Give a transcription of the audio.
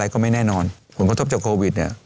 ก็ไม่แน่นอนผลกระทบจากโควิดเนี่ย